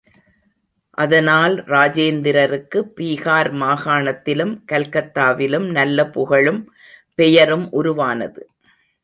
அதனால் இராஜேந்திரருக்கு பீகார் மாகாணத்திலும், கல்கத்தாவிலும் நல்ல புகழும் பெயரும் உருவானது.